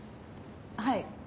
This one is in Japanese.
はい。